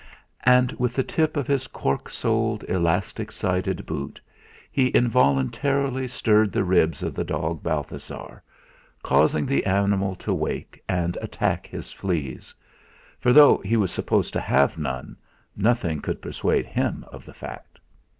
And with the tip of his cork soled, elastic sided boot he involuntarily stirred the ribs of the dog Balthasar, causing the animal to wake and attack his fleas; for though he was supposed to have none, nothing could persuade him of the fact.